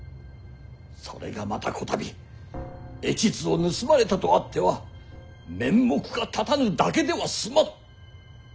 それがまたこたび絵地図を盗まれたとあっては面目が立たぬだけでは済まぬ！